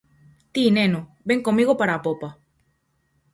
Ti, neno, ven comigo para a popa.